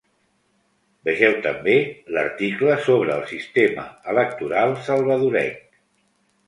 Vegeu també: l'article sobre el sistema electoral salvadorenc.